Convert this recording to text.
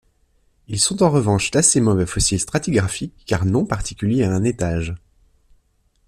Ils sont en revanche d'assez mauvais fossiles stratigraphiques car non particuliers à un étage.